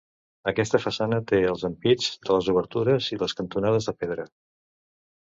Aquesta façana té els ampits de les obertures i les cantonades de pedra.